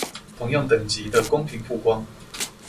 同樣等級的公平曝光